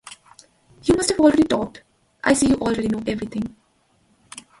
You must have already talked, I see you already know everything.